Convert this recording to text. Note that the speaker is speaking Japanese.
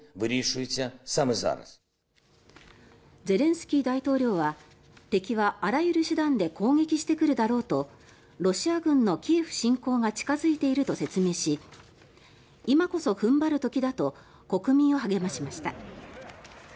ゼレンスキー大統領は敵はあらゆる手段で攻撃してくるだろうとロシア軍のキエフ侵攻が進んでいると説明し今こそ踏ん張る時だと国民を励ましました。